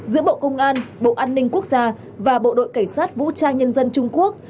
giữa bộ công an bộ an ninh quốc gia và bộ đội cảnh sát vũ trang nhân dân trung quốc